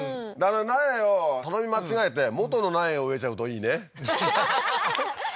苗を頼み間違えて元の苗を植えちゃうといいねははははっ